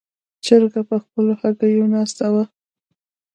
چرګه په خپلو هګیو ناستې وه.